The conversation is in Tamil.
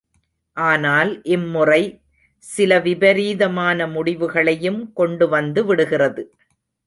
ஆனால் இம் முறை சில விபரீதமான முடிவுகளையும் கொண்டுவந்து விடுகிறது.